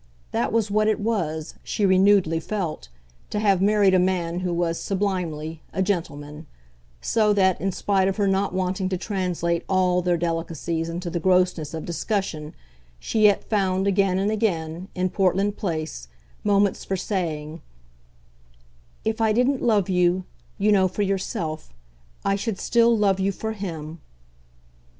That was what it was, she renewedly felt, to have married a man who was, sublimely, a gentleman; so that, in spite of her not wanting to translate ALL their delicacies into the grossness of discussion, she yet found again and again, in Portland Place, moments for saying: "If I didn't love you, you know, for yourself, I should still love you for HIM."